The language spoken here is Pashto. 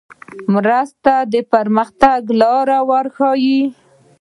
مرستې د پرمختګ لار ورښیي.